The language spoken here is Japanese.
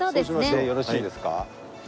でよろしいですか？